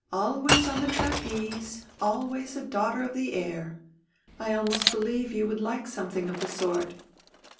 Always on the trapeze, always a daughter of the air. I almost believe you would like something of the sort."